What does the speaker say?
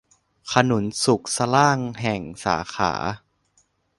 ขนุนสุกสล้างแห่ง สาขา